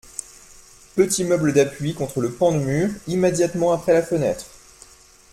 Petit meuble d'appui contre le pan de mur immédiatement après la fenêtre.